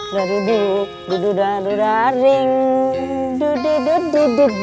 kapan juga mah akan siap